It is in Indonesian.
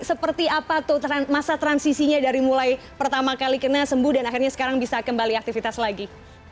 seperti apa tuh masa transisinya dari mulai pertama kali kena sembuh dan akhirnya sekarang bisa kembali aktivitas lagi